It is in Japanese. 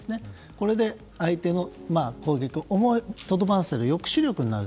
これで相手の攻撃を思いとどまらせる抑止力になる。